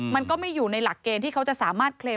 มันก็ไม่อยู่ในหลักเกณฑ์ที่เขาจะสามารถเคลม